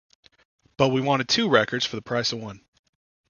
But we wanted two records for the price of one.